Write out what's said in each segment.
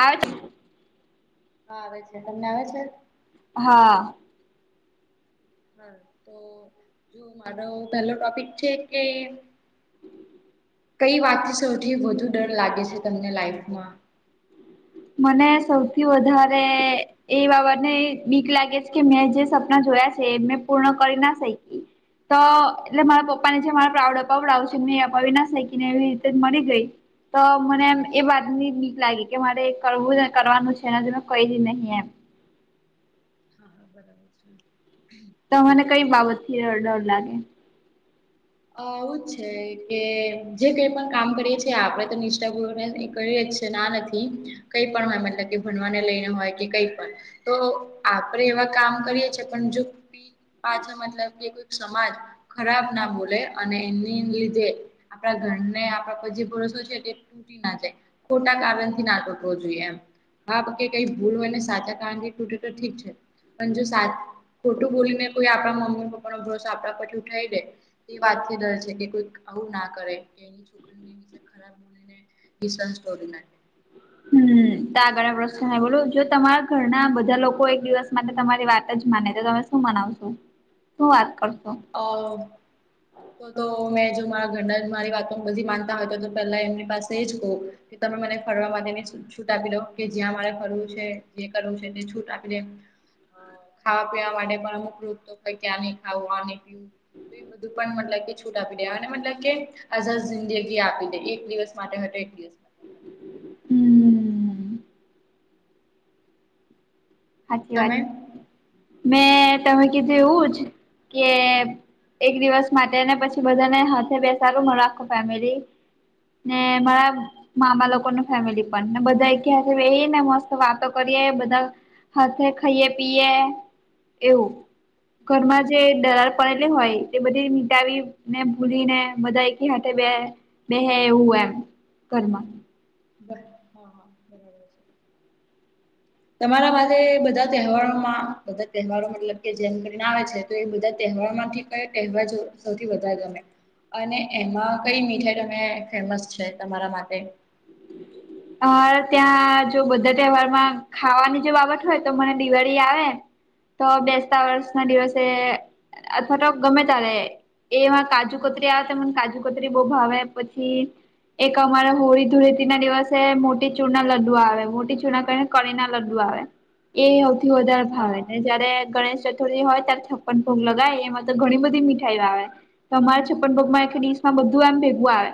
આવે તો હા આવે છે તમને આવે છે. હા. હા તો જો મારો પેલો ટોપિક છે કે કઈ વાતથી સૌથી વધુ ડર લાગે છે તમને લાઈફમાં. મને સૌથી વધારે એ બાબત ને બીક લાગે છે કે મેં જે સપના જોયા છે એ મેં પૂર્ણ કરી ના શઈકી. તો એટલે મારા પપ્પા ને જે મારા પ્રાઉડ અપાવડાવવુ છે મેં અપાવી ના શકી ને એવી રીતે મરી ગઈ તો મને એમ એ વાત ની નીક લાગે કે મારે એક કરવુંને કરવાનું છેને કઈ નહી એમ. હા હા બરાબર છે. તમને કઈ બાબત થી અ ડર લાગે. અ એવુ જ છે કે જે કઈ પણ કામ કરીએ છી આપડે તો નિષ્ઠાપૂર્વકથી કરીએ જ તે ના નથી કઈ પણ હોય મતલબ કે ભણવાને લઈને હોય કે કઈ પણ. તો આપડે એવા કામ કરીએ છે પણ જો પાછા મતલબ કે કોઈ સમાજ ખરાબ ના બોલ એટલે અને એની લીધે આપડા ઘરને આપણા પર જે ભરોસો છે તે. તૂટી ના જાય ખોટા કારણથી ના તૂટવો જોઈએ એમ. હા પકી કઈ ભૂલ હોય ને સાચા કારણ થી ટૂટે તો ઠીક છે. પણ જો સાત ખોટું બોલીને કોઈ આપણા મમ્મી પપ્પાનો ભરોસો આપણા પરથી ઉઠાઇ દે. એ વાતથી ડર છે કે કોઈક પણ આવું ના કરે કે એની છોકરીને વિ ખરાબ બોલીને વિશ્વાસ તોડી નાખે. હમ આગળ પ્રશ્ન બોલો જો તમારા ઘરના બધા લોકો એક દિવસ માટે તમારી વાત જ માને તો તમે શું મનાવશું શું વાત કરશો. અ. તો તો મેં જો મારા ઘરના જ મારી વાતો બધી માનતા હોય તો તો પેલા એમની પાસે જ કહું. કે તમે મને ફરવા માટેની છૂટ આપી દો કે જ્યાં મારે ફરવું છે જે કરવું છે તેને છૂટ આપી દે. ખાવા પીવા માટે પણ અમુક રૂપ તો ક્યાં ન ખાવું, આ પીવું, બધું પણ મતલબ કે છૂટ આપી દે અને મતલબ કે આઝાદ જિંદગી આપી દે એક દિવસ માટે હતો એક દિવસ. માટે હમ્મ. સાચી તમે વાત હા મેં તમે કીધું એવું જ, કે એક દિવસ માટે ને પછી બધાને હાથે બે સારું રાખ ફેમિલી. ને મારા મામા લોકો ન ફેમિલી પણ ને બધા એક્યા વહી ને મસ્ત વાતો કરીએ બધા હાથે ખાઈએ પીએ એવું. ઘરમાં જે દરાળ હા હા પડેલી હોય. એ બધી મટાવી ને ભૂલીને બધા એક હાથે બે બે એવું એમ. ઘરમાં. [inaudible] તમારા પાસે બધા તહેવારોમાં બધા તહેવારો મતલબ કે જેમ કરીને આવે છે. તો બધા તહેવારમાંથી કયો તહેવાર સૌથી વધારે ગમે? અને એમાં કઈ મીઠાઈ તમે ફેમસ છે તમારા માટે? અરે ત્યાં જો બધા તહેવારમાં ખાવાની જે બાબત હોય તો મને દિવાળી આવે. તો બેસતા વર્ષના દિવસે અથવા તો ગમે તાલે. એમાં કાજુ કતરી આવે ત મને કાજુ કતરી બહુ ભાવે પછી એક અમારા હોળી ધૂળેતીના દિવસ. મોટી ચૂરના લડ્ડુ આવે મોટી ચૂર ના કરીને કળીના લડ્ડુ આવે, એ સૌથી વધારે હા ભાવે જયારે ગણેશ ચતુર્થી હોય ત્યારે છપ્પન ભોગ લગાય એમાં તો ઘણી બધી મીઠાઈઓ આવે. તમારે છપ્પન પગમાં એક ડીસ માં બધું એમ ભેગવું આવે.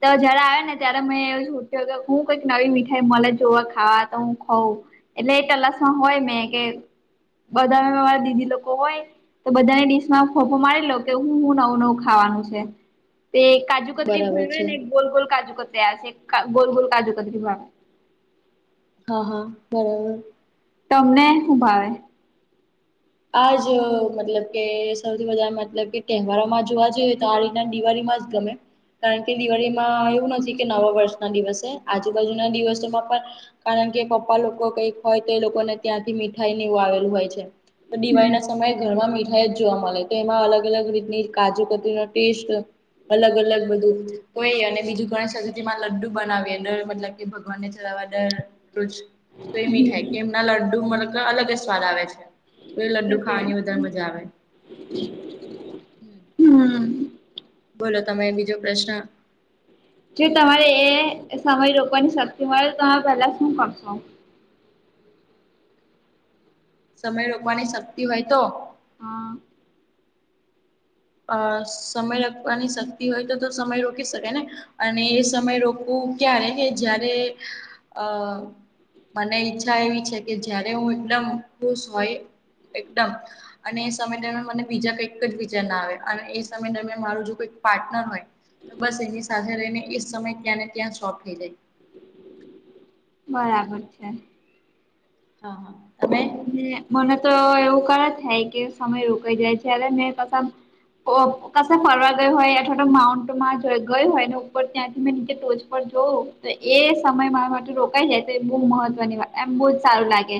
તો જયારે આવે હા ને હા ત્યારે મે બરાબર એવ હું કઈક નવી મીઠાઈ મને જોવા ખાવા તો હું ખઉં. એટલે એ તલાસમાં હોય મેં કે બધા મારા દીદી લોકો હોય. તો બધાની ડીશમાં ફોફ મારી લો કે હું હું નવું નવું ખાવાનું છે. તે કાજુ કતરી બરાબર ભાવે છે ને ગોલ ગોલ કાજુ કતરી ગોલ ગોલ કાજુ કતરી ભાવે. હા હા બરાબર. તમને શું ભાવે? આજ મતલબ કે સૌથી વધધા મતલબ કે તહેવારોમાં જોવા જઈએ તો આ રીતના દિવાળીમાં તમે? કારણ કે દિવાળીમાં એવું નથી કે નવા વર્ષના દિવસે આજુબાજુના દિવસોમાં પણ. કારણ કે પપ્પા લોકો કઈક હોય તો એ લોકોને ત્યાંથી મીઠાઈને એવું આવેલું હોય છે. તો હમ દિવાળીના સમયે ઘરમાં મીઠાઈ જ જોવા મળે તો એમાં અલગ અલગ રીતની કાજુ કતરીનો ટેસ્ટ અલગ અલગ બધું તો એ અને બીજું ગણ સજ માં લડ્ડુ બનાવી મતલબ. એ ભગવાનને ચલાવા દરરોજ. તો એમ હમ થાય કે એમના લડ્ડુ મતલબ અલગ જ સ્વાદ આવે છે. કોઈ લડુ સાચી વાત ખાવાની વધારે છે. મજા આવે. હમ. હમ બોલો તમે બીજો પ્રશ્ન? જો તમારે એ સમય રોકવાની શક્તિ મળે તો તમે પહેલા શું કરશો? સમય રોકવાની શક્તિ હોય તો? હા. અ સમય લખવાની શક્તિ હોય તો તો સમય રોકી શકે ને. અને એ સમય રોકવું ક્યારે કે, જારે અ મને ઈચ્છા એવી છે કે જયારે હું એકદમ ખુશ હોય. એકદમ અને એ સમય દરમિયાન મને બીજા કંઈક જ બીજા ના આવે. અને એ સમય દરમિયાન મારું જો કોઈ પાર્ટનર હોય. તો બસ એની સાથે રહીને એ સમય ત્યાં ને ત્યાં શોપ થઈ જાય. બરાબર છે. હા હા, ત મને તો એવું કર થાય કે સમય રોકાઈ જાય છે મે ક કશે ફરવા ગયયો હોય અથવા તો માઉન્ટમાં ગયો હોય ને ઉપર ત્યાંથી મેં નીચે ટોચ જોવું તો એ સમય મારા માટે રોકાઈ જાય તો એ બહુ મહત્વની વા એમ બહુજ સારું લાગે.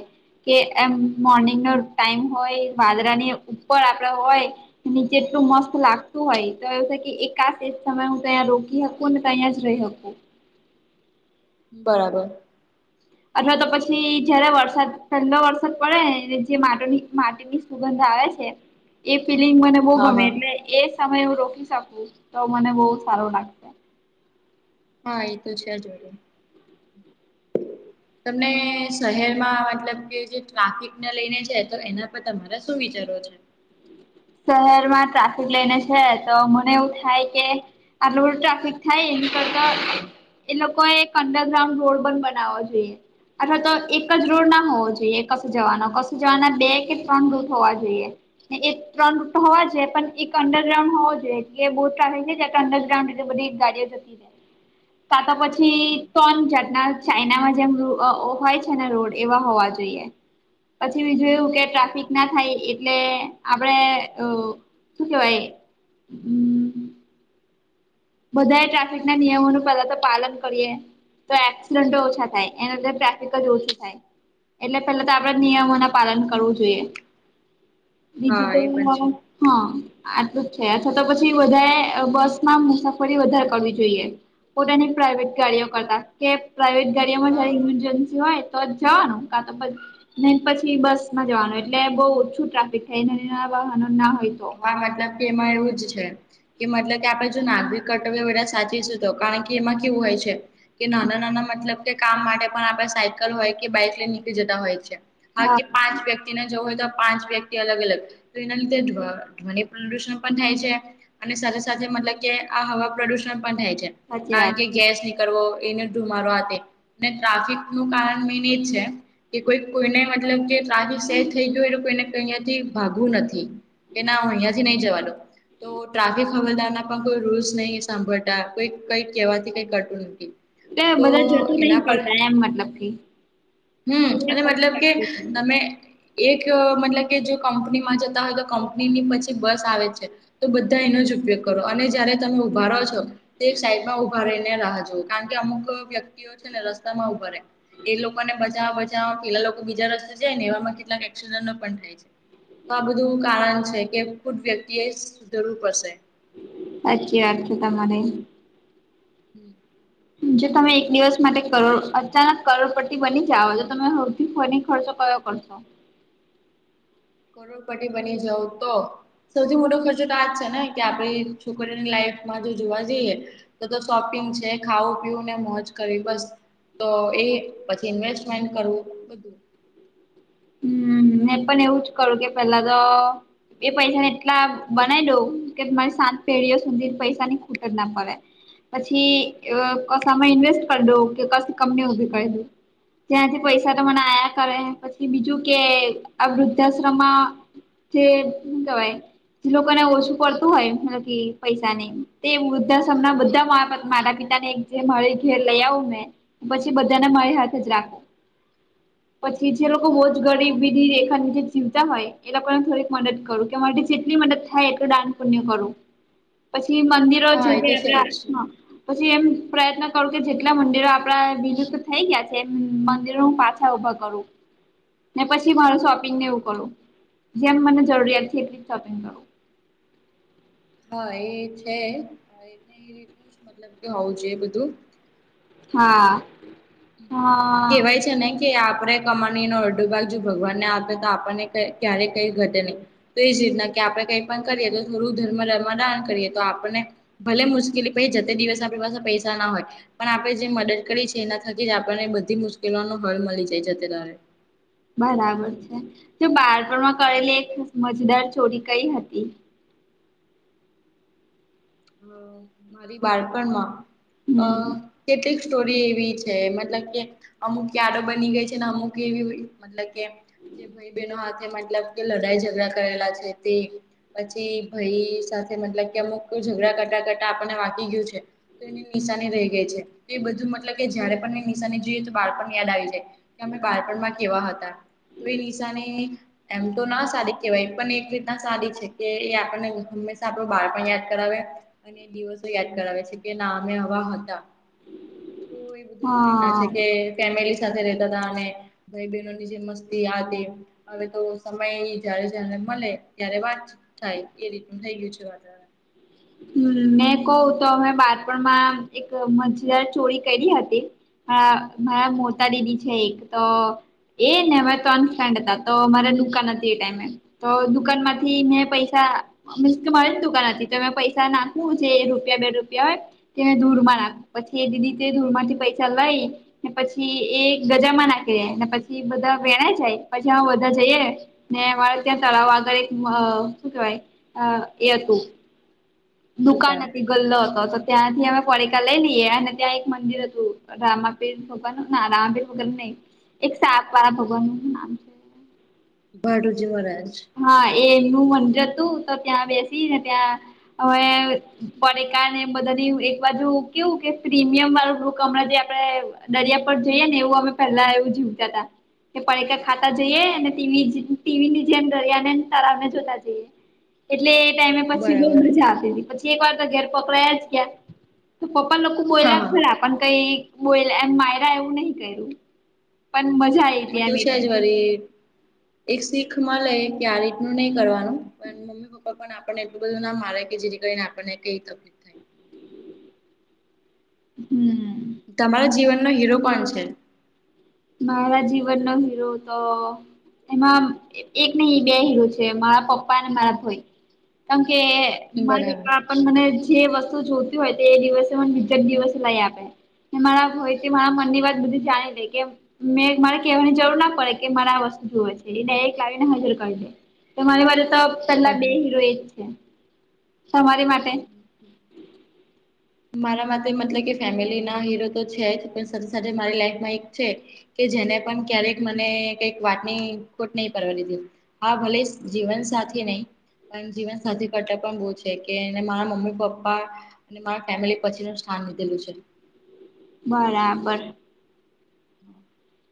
કે એમ મોર્નિંગ નો ટાઈમ હોય વાદરા ની ઉપર આપડ હોય. નીચેટલું મસ્ત લાગતું હોય તો એવું છે એકાશ એ જ સમય હું ત રોકીક કોને તહીંયા જ રહીકો. બરાબર. અથવા તો પછી જયારે વરસાદ ઠંડો વરસાદ પડે જે માટ માટીની સુગંધ આવે છે, એ ફિલિંગ મને બહુ હા ગમે હા. એટલે એ સમયે હું રોકી શકું તો મને બહુ સારો લાગશે. હા એ તો છે જ. તમને શહેરમાં મતલબ કે જે ટ્રાફિકને લઈને છે તો એના પર તમારા શું વિચારો છે? શહેર માં ટ્રાફિક લઈને છે તો મને એવું થાય કે આ રોડ ટ્રાફિક થાય એની કરતા એ લોકોએ એક અંડરગ્રાઉન્ડ રોડ પણ બનાવો જોઈએ. અથવા તો એક જ રોડ ના હોવો જોઈએ કશું જવાનો કશું જવાના બે કે ત્રણ રૂથ હોવા જોઈએ. હ એક ત્રણ રૂટ હોવા જો છે પણ એક અડરગ્રાઉડ હોો જોઈએ બહુ ટ્રાફિક છે અંડરગ્રાઉન્ડ એટ બધી ગાડીઓ કાતા પછી હમ તણ ચટના. ચાઈનામાં જેમ હોય છે ને રોડ એવા હોવા જોઈએ, પછી બીજું એવું કે ટ્રાફિક બરાબર ના છે. થાય એટલે આપડે શું કેવાય? બધા ટ્રાફિક ના નિયમોનું પેલા તો પાલન કરીએ. તો એક્સિડેન્ટો ઓછા થાય એનાંદર ટ્રાફિક જ ઓછી થાય. એટલે પેલા તો આપડે હમ નિયમો ના પાલન કરવું જોઈએ, બીજું હા તો એ પણ છે. હા આટું જ છે અથવા તો પછી વધારે બસમાં ફ વધારે કરવી જોઈએ, પોતાની પ્રાઇવેટ ગાડીઓ કરતા કે પ્રાઇવેટ ગાડીમાં જયારે હા. ઇમરજન્સી હોય તો જ જવાનું, કા નહી પછી બસ માં જવાનું એટલે બહુ ઓછું ટ્રાફિક થાય વાહનો ના હોય તો. હા મતલબ કે એમાં એવું જ છે. કે મતલબ કે આપડે જો નાગરિક કર્તવ્ય વેધા સાચી છે તો કારણ કે એમાં કેવું હોય છે. કે નાના નાના મતલબ કે કામ માટે પણ આપે સાયકલ હોય કે બાઈક લઈ નીકળી જતા હોય છે. હા કે પાંચ વ્યક્તિને જવું હોય તો પાંચ વ્યક્તિ અલગ અલગ, તો એના લીધે ધ્વનિ પ્રદુષણ પણ થાય છે, અને સાથે સાથે મતલબ કે આ હવા પ્રદુષણ પણ થાય છે. સાચી કારણ વાત કે છે ગેસ નીકળવો એને ધુમારો હ. ને ટ્રાફિક નું કારણ મેન એ છે, કે કોઈ કોઈને મતલબ કે થી સેર થઈ ગયો એટ એને અહયા થી ભાગવું નથી કે, ના અહિયાયા થી નહી જવાનું. તો ટ્રાફિક હવારદાર ના પણ કોઈ રૂલ્સ નહી સાંભળતા કોઈ કઈક કહેવાથી કઈ કટું નથી. એ તો બધા જતું નહિ એના પર પડતા એમ મતલબ કે. હમ અને મતલબ કે, તમે એક મતલબ કે જો કંપનીમાં જતા હોય તો કંપની ની પછી બસ આવે છે. તો બધા એનો જ ઉપયોગ કરો અને જયારે તમે ઉભા રહો છો. તે સાઈડ માં ઉભા રહીને રાહ જોુ કારણ કે અમુક વ્યક્તિઓ છે ને રસ્તા માં ઉભા રહે. એ લોકો ને બજા બ પેલા લોકો બીજા રસ્તે જાય ને એવામાં કેટલાકક્સડ પણ થાય છે, તો આ બધું કાર કે ખુદ વ્યક્તિ એ જરૂર પડશે. સાચી વાત છે તમારે. હમ. જો તમે એક દિવસ માટે કરોડ અચાનક કરોડપતિ બની જાઓ જો તમે હવથી ફરી ખર્ચો કરો? ઓછ? કરોડપતિ બની જાવ તો સૌથી મોટો ખર્ચો તો આજ છે ને કે આપડી છોકરીઓની લાઈફમાં જો જોવા જઈએ. તો તો શોપિંગ છે ખાવું પીવું ને મોજ કરવી બસ. તો એ પછી ઇન્વેસ્ટમેન્ટ કરવું બધું. હ મે પણ એવું જ કરું કે પેલા તો એ પૈસાને એટલા બનાવી દઉં કે તમારી સાત પેઢીઓ સુધી પૈસાની ખૂટ જ ના પડે. પછી એ વ કશા આમાં ઇન્વેસ્ટ કરી દવ કે કશા કંપની ઉભી કરી દઉ. ત્યાંથી પૈસા તો મને આયા કરે પછી બીજું કે આ વૃદ્ધાશ્રમમાં જે હું કેવાય. લોકોને ઓછું પડતું હોય મ કે પૈસા ને તે વૃદ્ધાશ્રમ હા હમણા હા બધા માતા પિતા ને જે મારી ઘેર લઇ આવું મેં, પછી બધાને મારી હાથે જ રાખું. પછી જે લોકો હો બરાબર છે. રેખા ની જેે જીવતા હોય એ લોકોને થોડીક મદદ કરું કે માટે જેટલી મદદ થાય એટલું દાન પુણ્ય કરું. પછી મંદિરો છે હા એ જે તો કે આપણા જ હાથમાં પછી એમ પ્રયત્ન કરું કે જેટલા મંદિરો આપડા બીજુ થઈ ગયા છે એ મંદિરો પાછ ઉભા કરું. ને પછી મારો શોપિંગને હા એવું કરો, જેમ મને જરૂરિયાત છે એટલી શોપિંગ કરુ. હા એ છે, એટલું મતલબ કે હોવ જોયે બધું. હા. હા કેવાય છે ને કે આપણે કમાની નો અડધો ભાગ જો ભગવાનને આપે તો આપણને ક્યારે કઈ ઘટે નહીં. તો એ જ રીતના કે આપડણે કઈ પણ કરીએ તો થોડું ધર્મ ધર્મદાન કરીએ તો આપને ભલે મુશ્કેલી પછ જતે દિવસ આપણી પાસે પૈસા ના હોય, પણ આપણે જે મદદ કરીએ છે એના થકી જ આપણને બધી મુશ્કેલો ન હલ મળી જતે દહાડે. બરાબર છે, જો બાળપણમાં કરેલી એક મજદાર ચોરી કઈ હતી? અ મારી બાળપણમાં, અ હમ કેટલીક સ્ટોરી એવી છે મતલબ કે અમુક કારો બની ગઈ છે ને અમુક એવી મતલબ કે જે ભાઈ બહેનો હાથે મતલબ કે લડાઈ ઝઘડા કરેલા છે તે. પછી ભાઈ સાથે મતલબ કે અમુક ઝઘડા કરતા કરતા આપને વાંકી ગયું છે. તો એની નિશાની રહી ગઈ છે, તો એ બધું મતલબ કે જયારે પણ એ નિશાની જોઈએ તો બાળપણ યાદ આવી જાય. કે અપણે બાળપણમાં કેવા હતા, તો એ નિશાને એમ તો ના સારી કેવાય પણ એક રીતના સારી છે કે એ આપણને હંમેશા આપડે બળ પણ યાદ કરવે, અને દિવસો યાદ કરાવે છે કે ના અમે આવા હતા. તો એ બધુંઈ ના હા છે કે ફેમિલી સાથે રેતા હતા અને, ભાઈ બહેનોની જે મસ્તી આ હતી. હવે તો સમય જ્યારે જને મળે ત્યારે વાત થાય એ રીતનું થઈ ગયું છે વાતાવરણ. મેં કહું તો અમે બાળપણમાં એક મજેદાર ચોરી કરી હતી હમ મારા મોતા દીદી છે એક તો એ ને અમે ત્રણ ફ્રેન્ડ હતા તો મારે દુકાન હતી એ ટાઈમે તો દુકાન માંથી મેં પૈસા મીન્સ કે મરી જ દુકાન હતી તો મે પૈસા નાખવું જે રૂપિયા બે રૂપિયા હોય તે ધૂળ માં નાખયુ પછી એ દીદી તે ધૂળમાંથી પૈસા લઈ ને પછી એ ગજામાં નાખી દે ને પછી બધા વેણાય જાય પછી બધા જઈએ ને મારે ત્યાં તળાવ આગળ એક શું કેહેવાય એ હતું દુકાન હતી ગલ્લો હતો તો ત્યાંથી અમે પડીકા લઈ લઈએ અને ત્યાં એક મંદિર હતું રામાપીર ભગવાન ના રામાપીર ભગવાનનુ નઈ એક સાપ વાળા ભગવાન નું શું નામ છે ભાડુજી મહારાજ હા એ એમનું મંદિર હતું તો ત્યાં બેસીને ત્યાં હવે પડેકા ને બધા એક બાજુ કેવું કે પ્રીમિયમ વાળું [unintelligible] આપડે દરિયા પર જઈએ ને એવું અમે પેલા એવું જીવતા હતા એ પડકા ખાતા જઈએ અને ટીવી-ટીવીની જેમ દરિયાને અને તારાને જોતા જઈએ એટલે એ ટાઈમે પછી બોવ બરાબર મજા આવતીતી પછી એક વાર તો ઘેર પકડાય જ ગયા તો પપ્પા લોકો હા બોયલા હા. ખરા પણ કઈ બોયલા એમ માયરા એવું નહી કર્યું પણ મજા આવીતી [unintelligible] અરે એક શીખ મલે કે આ રીતનું નહી કરવાનું પણ મમ્મી પપ્પા પણ આપને એટલું બધું ના મારે કે જેથી કરીને આપણને કઈ તકલીફ થાય. હમ તમારા જીવનનો હીરો કોણ છે? મારા જીવનનો હિરો તો એમાં એક ની બે હીરો છે મારા પપ્પા અને મારા ભાઈ કેમકે [unintelligible] બરાબર પણ મને જે વસ્તુ જોતી હોય તો એ દિવસે મને બીજે દિવસે લઈ આપે. ને મારા ભાઈ તે મારા મનની વાત બધી જાણી લે કે ને મારે કેવાની જરૂર ના પડે કે મારે આ વસ્તુ જુવે છે એને એક લાવીને હાજર કરીદે તો મારે બાજુ તો પેલા બરાબર. બે હીરો એજ છે તમારી માટે [inaudible] મારા માટે મતલબ કે ફેમિલી ના હીરો તો છે જ પણ સાથે સાથે મારી લાઈફમાં એક છે કે જેને પણ ક્યારેક મને કઈક વાટની ખોટ નહી પડવા દીધી હા ભલે જીવન સાથી નહી પણ જીવન સાથી કરતા પણ બહુ છે કે એને મારા મમ્મી પપ્પા અને મારા ફેમિલી પછી નું સ્થાન લીધેલું છે. બરાબર [inaudible]